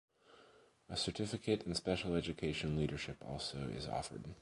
A certificate in Special Education Leadership also is offered.